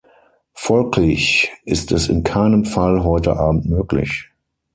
Folglich ist es in keinem Fall heute abend möglich.